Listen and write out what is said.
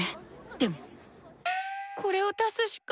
でもこれを出すしか。